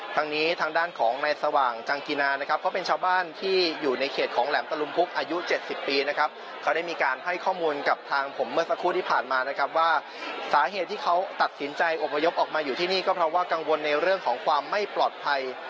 ทางนี้ทางด้านของในสว่างจังกินานะครับเขาเป็นชาวบ้านที่อยู่ในเขตของแหลมตะลุมพุกอายุ๗๐ปีนะครับเขาได้มีการให้ข้อมูลกับทางผมเมื่อสักครู่ที่ผ่านมานะครับว่าสาเหตุที่เขาตัดสินใจอบพยพออกมาอยู่ที่นี่ก็เพราะว่ากังวลในเรื่องของความไม่ปลอดภัย